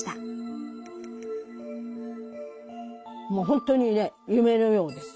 もう本当にね夢のようです。